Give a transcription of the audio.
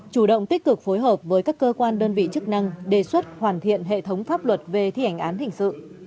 chủ động tích cực phối hợp với các cơ quan đơn vị chức năng đề xuất hoàn thiện hệ thống pháp luật về thi hành án hình sự